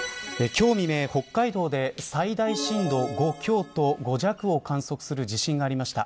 今日未明、北海道で最大震度５強と５弱を観測する地震がありました。